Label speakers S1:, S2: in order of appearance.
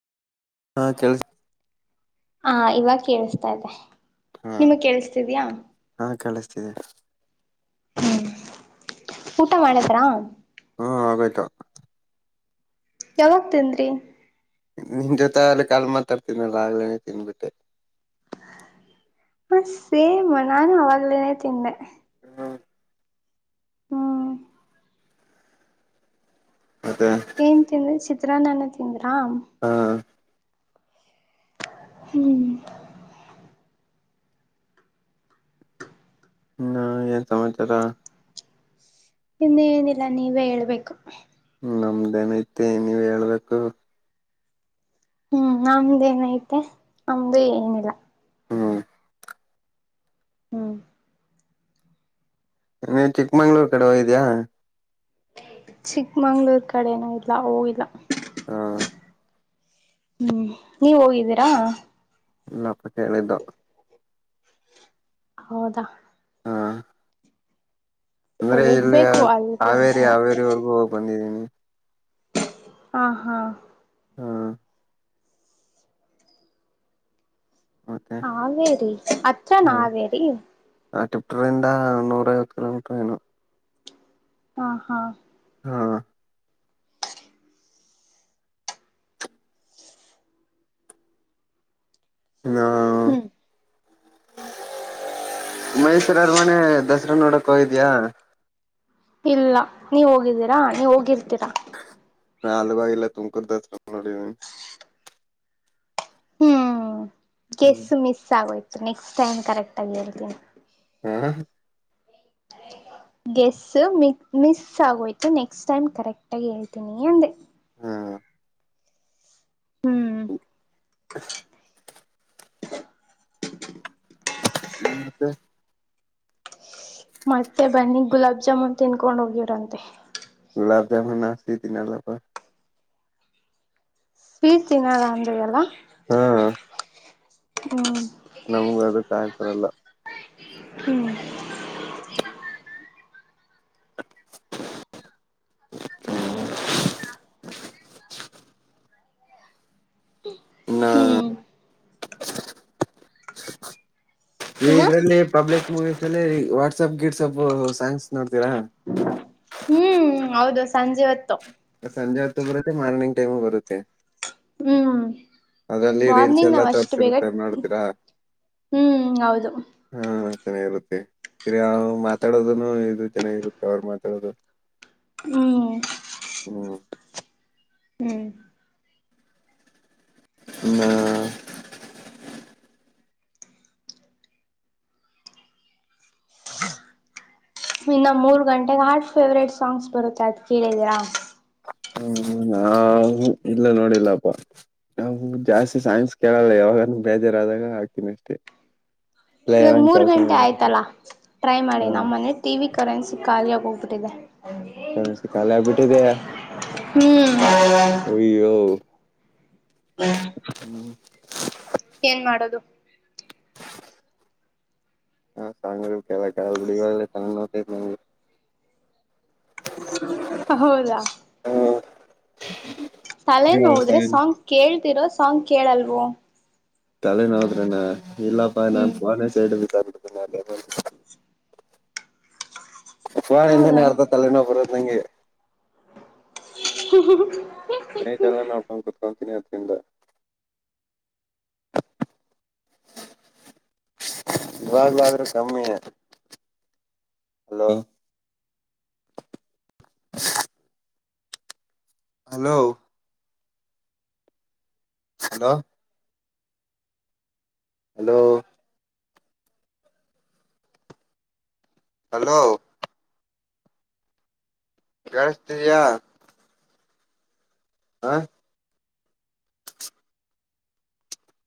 S1: ಹಾ ಕೇಳಸ
S2: ಹಾ ಇವಾಗ ಕೇಳಸ್ತಾ ಇದೆ ನಿಮಗ್ ಕೇಳಿಸತಿದ್ಯಾ
S1: ತ್ತದೆ
S2: ಹ್ಮ್ ಊಟ ಮಾಡಿದ್ರಾ
S1: ಹಾ ಹಾಗಾಯ್ತಾ
S2: ಯಾವಾಗ ತನ್್ರಿ
S1: ನಿನ್ ಜೊತೆ ಅಲ್ಲಿ ಕಾ ಮಾತಾಡ್ತೀನಲ್ಲ ಆಗ್ಲೇನೆೇ ತಿನ್ಬಿಟ್ಟೆ
S2: ಹ ಸೇಮ್ ನಾನು ಅವಾಗ್ಲೇನೆೇ ತಿಂದೆ ಹ್ಮ
S1: ಮತ್ತೆ
S2: ಏನ್ ತಿಂದ್ರ ಚಿತ್ರಾ ನನ್ನ ತಿಂದ್ರಾ
S1: ಹಾ
S2: ಹ್ಮ್
S1: ನಾ ಯ ಸಮಚಾರ
S2: ಇನ್ನು ಏನಿಲ್ಲ ನೀವೇ ಹೇಳ್ಬೇಕು
S1: ನಮ್ದೇನ ಐತೆ ನೀವ್ ಹೇಳ್ಬೇಕು
S2: ಹ್ಮ್ ನಮ್ದೇನಐತೆ ನಮ್ದು ಏನಿಲ್ಲ
S1: ಹ್ಮ್
S2: ಹ್ಮ್
S1: ನೀ ಚಿಕ್ಕಮಂಗ್ಳೂರ್ ಕಡೆ ಹೋಗಿದ್ದಿಯಾ
S2: ಚಿಕ್ಕಮಂಗ್ಳೂರ್ ಕಡೆಏನ ಇಲ್ಲ ಹೋಗಿಲ್ಲ
S1: ಹ್ಮ
S2: ಹ್ಮ್ ನೀವ ಹೋಗಿದ್ದೀರಾ
S1: ಇಪ್ಪ ಕೇಳಿದ್ದು
S2: ಹೌದಾ
S1: ಹಾ ಅಂದ್ರೆ ಇಲ್ಲಿ
S2: ಹೋಗ್ಬೇಕು ಅಲ್ಗೂ
S1: ಹಾವೇರಿ
S2: ಒಂದ್ಸಲ
S1: ಹಾವೇರಿವರೆಗೂ ಹೋಗಿ ಬಂದಿದೀನಿ
S2: ಹ ಹಾ
S1: ಹ್ಮ ಮತ್ತೆ
S2: ಹಾವೇರಿ
S1: ಹಾ
S2: ಅಚ್ಚನ್ವೇರಿ
S1: ಆ ಟಿಪ್ಟ್ರಂದ ನೂರ ಐವತ್ತು ಕಿಲೋಮೀಟ್ರ ಏನು
S2: ಹಾ ಹಾ
S1: ಹಾ ಹಾ
S2: ಹ್ಮ್
S1: ಮೈಸೂರ ಅರಮನೆ ದಸರಾ ನೋಡಕ ಹೊದ್ಯಾ
S2: ಇಲ್ಲ ನೀವ್ ಹೋಗಿದ್ದೀರಾ ನೀವ್ ಹೋಗಿರ್ತೀರಾ
S1: ನ ಅಲಭಾಗಿಲ್ಲ ತುಂಬಕದ ಕ ನೋಡಿ
S2: ಗೆಸ್ಸು ಮಿಸ್ ಆಗೋಯ್ತು ನೆಕ್ಸ್ಟ್ ಟೈಮ್ ಕರೆಕ್ಟ್ ಆಗಿ ಎತೀನಿ
S1: ಹ
S2: ಹ ಗೆಸ್ ಮ ಮಿಸ್ ಆಗೋಯ್ತು ನೆಕ್ಸ್ಟ್ ಟೈಮ್ ಕರೆಕ್ಟ್ಗಿ ಹೇಳ್ತೀನಿ ಅಂದ್ರೆ
S1: ಹಾ
S2: ಹ್ಮ್
S1: ಹ ಮತ್ತೆ
S2: ಮತ್ತೆ ಬನ್ನಿ ಗುಲಾಬ್ ಜಾಮೂನ್ ತಿನ್ಕೊಂಡ್ ಹೋಗವ್ರಂತೆ
S1: ಗುಲಬ ಜಾಮುನ್ ಅಸಿ ತಿಿನಲ್ಲಪ
S2: ಫೀಸ್ ತಿಿನಾರ ಅಂದ್ರ ಅಲ್ಲ
S1: ಹಾ
S2: ಹ್ಮ್
S1: ನಮಗ ಅದಕ್ ಆಗ್ ಬರಲ್ಲ
S2: ಹ್ಮ್
S1: ಹ್ಮ [unintelligible] ಇನ್ನ
S2: ಹ್ಮ್ ಇನ್ನ
S1: ಇದ್ರಲ್ಲಿ ಪಬ್ಲಿಕ್ ಮೂವೀಸ್ ಅಲ್ಲಿ ವಾಟ್ಸಪ್ ಗಿಡ್ಸ್ಪ್ ಸಾಂಗ್ಸ್ ನೋಡ್ತೀರಾ
S2: ಹ್ಮ್ ಹೌದು ಸಂಜೆ ಹೊತ್ತು
S1: ಸಂಜೆ ಹೊಗ್ತಬರುತ್ತ ಮಾರ್ನಿಂಗ ೈಮ್ ಬರುತ್ತೆ
S2: ಹ್ಮ್
S1: ಅದ್ರಲ್ಲಿ ರೀಲ್ಸ್
S2: ಮಾರ್ನಿಂಗ್
S1: ಎಲ್ಲಾ
S2: ನಾವ್ ಅಷ್ಟು ಬೇಗ
S1: ತೋರ್ಸಿರುತ್ತೆ ನೋಡ್ತೀರಾ
S2: ಹ್ಮ್ ಹೌದು
S1: ಹಾ ಚೆನ್ನಾಗಿರುತ್ತೆ ಹಿರಿಯ ಮಾತಾಡೋದನು ಇದು ಚೆನ್ನಾಗಿರುತ್ತೆ ಅವ್ರ ಮಾತಾಡೋದು
S2: ಹ್ಮ್
S1: ಹ್ಮ್
S2: ಹ್ಮ್
S1: ಮ್ಮ
S2: ಇನ್ನು ಮೂರು ಗಂಟೆಗೆ ಹಾರಟ್ ಫೇವ್ರೇಟ್ ಸಾಂಗ್ಸ್ ಬರುತ್ತೆ ಅ್ ಕೇಳಿದಿರಾ
S1: ಹ್ಮ ನಾ ಇಲ್ಲ ನೋಡಿಲ್ಲಪ್ಪ ನಾ ಜಾಸ್ತಿ ಸೈನ್ಸ್ ಕೇಳಲ್ಲ ಯ ಅವ ಬೇಜಾರಾದಾಗ ಹಾಕ್ತೀನಿ ಅಷ್ಟೇ
S2: [inaudible]
S1: ಇಲ್ಲ
S2: ಇವಾಗ
S1: ಏನನ್
S2: ಮೂರ್
S1: ಕೆಲ್ಸ
S2: ಗಂಟೆ
S1: ಮಾಡಬೇಕ
S2: ಆಯ್ತಲ್ಲಾ ಟ್ರೈ ಮಾಡಿ ನಮ್ಮ ಮನೆ ಟಿ ವಿ ಕರೆನ್ಸಿ ಖಾಲಿಯಾಗಿ ಹೋಗ್ಬಿು ದ [inaudible]
S1: ಹ ಸಿಿಕಾಲ ಬಿಟೆದಯ
S2: ಹ್ಮ್ ಹ
S1: ಹ್ಮ್ [unintelligible]
S2: ಏನ್ ಮಾಡದು
S1: ಹಾ ಸ ಕೆಲ್ಲ ಕಲ್ ಬಿಡಿಗ ಚ ನತ
S2: ಹೌದಾ
S1: [inaudible]
S2: ತಲೆ ನೋಡ್ರೆ ಸಾಂಗ್ ಕೇಳ್ತಿರೋ ಸಾಂಗ್ ಕೇಳಲ್ವ
S1: ತಲೆನ ಹೋದ್ರೆಣ್ಣ ಇಲ್ಲಪ್ಪಾ ನಾ
S2: ಹ್ಮ್
S1: ಫೋನ ಸೈಡ್ ಬಡ್ತ ಪ್ಪಳಿಂದನೇ
S2: ಹೌದಾ
S1: ಅರ್ಥತ್ಲೆನೋ ಬರುದ ನಂಗೆ
S2: ಹ
S1: ನೇಟ್ ಎಲ್ಲ ನಾ ಕುತ್ಕೊತೀನಿ ಅದ್ರಿಂದ
S2: ಹ
S1: ಇವಾಗ್ಾದ್ರೂ ಸಮ್ಮೀಯರ್ ಹಲೋ
S2: ಅ
S1: ಹಲೋ ಹಲೋ ಹಲೋ ಹಲೋ ಳಸ್ತಿದಯಾ ಹಾ